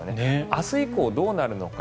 明日以降、どうなるのか。